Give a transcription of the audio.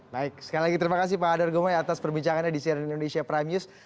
baik sekali lagi terima kasih pak hadar gomay atas perbincangannya di cnn indonesia prime news